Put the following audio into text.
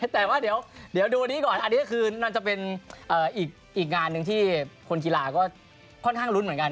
แต่ว่าเดี๋ยวดูอันนี้ก่อนอันนี้ก็คือน่าจะเป็นอีกงานหนึ่งที่คนกีฬาก็ค่อนข้างลุ้นเหมือนกัน